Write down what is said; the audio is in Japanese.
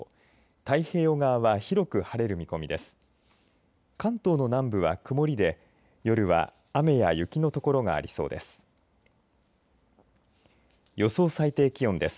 太平洋側は広く晴れる見込みです。